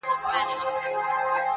• ګوندي خدای مو سي پر مېنه مهربانه -